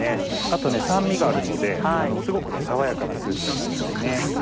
あと酸味があるのですごく爽やかなスープになりますね。